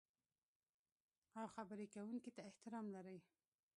او خبرې کوونکي ته احترام لرئ.